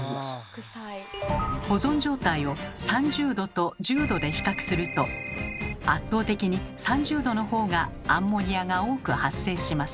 保存状態を３０℃と１０℃で比較すると圧倒的に３０℃のほうがアンモニアが多く発生します。